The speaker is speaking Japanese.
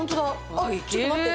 あっちょっと待って。